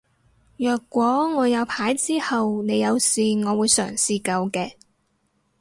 若果我有牌之後你有事我會嘗試救嘅